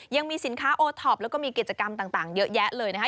ยังมีสินค้าโอท็อปแล้วก็มีกิจกรรมต่างเยอะแยะเลยนะคะ